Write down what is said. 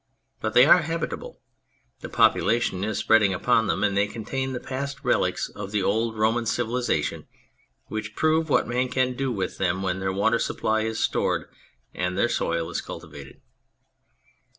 But they are habitable, the population is spreading upon them, and they contain the past relics of the old Roman civilisation which prove what man can do with them when their water supply is stored and their soil is cultivated.